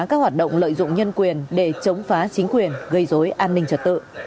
các hoạt động lợi dụng nhân quyền để chống phá chính quyền gây dối an ninh trật tự